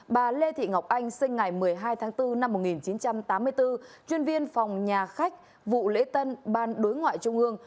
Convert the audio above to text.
bà lê thị ngọc anh sinh ngày một mươi hai tháng bốn năm một nghìn chín trăm tám mươi bốn chuyên viên phòng nhà khách vụ lễ tân ban đối ngoại trung ương